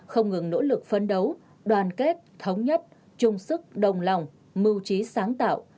không ngừng nỗ lực phấn đấu đoàn kết thống nhất trung sức đồng lòng mưu trí sáng tạo